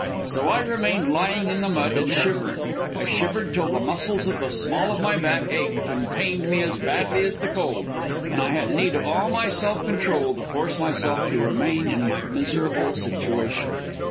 So I remained, lying in the mud and shivering. I shivered till the muscles of the small of my back ached and pained me as badly as the cold, and I had need of all my self control to force myself to remain in my miserable situation.